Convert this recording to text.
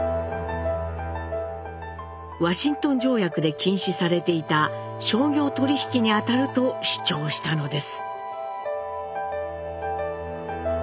ワシントン条約で禁止されていた商業取引にあたると主張したのです。